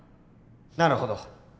なるほど。